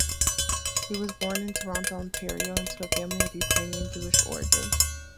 He was born in Toronto, Ontario into a family of Ukrainian-Jewish origin.